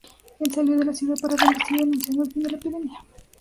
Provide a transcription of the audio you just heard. Él salió de la ciudad para bendecir y anunciando el fin de la epidemia.